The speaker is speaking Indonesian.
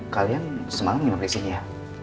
kalian semangat nginep disini ya